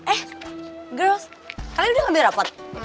eh girls kalian udah ngambil rapat